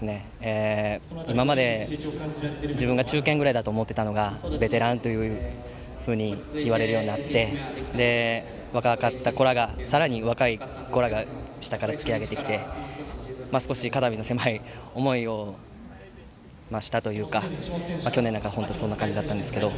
今まで自分が中堅ぐらいだと思っていたのがベテランというふうにいわれるようになって若かった子が、さらに若い子らが下から突き上げてきて少し肩身の狭い思いをしたというか去年なんか本当にそんな感じだったんですけど。